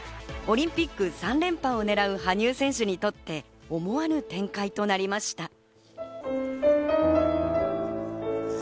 オリンピック３連覇をねらう羽生選手にとって、思わぬ展開となりました。